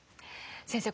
先生